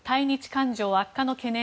感情悪化の懸念。